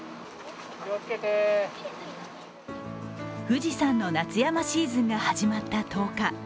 富士山の夏山シーズンが始まった１０日。